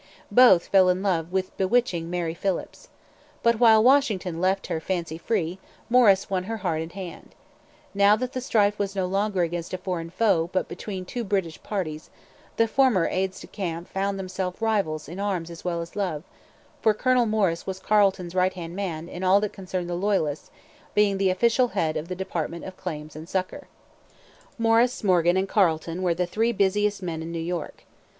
Both fell in love with bewitching Mary Phillips. But, while Washington left her fancy free, Morris won her heart and hand. Now that the strife was no longer against a foreign foe but between two British parties, the former aides de camp found themselves rivals in arms as well as love; for Colonel Morris was Carleton's right hand man in all that concerned the Loyalists, being the official head of the department of Claims and Succour: Morris, Morgan, and Carleton were the three busiest men in New York.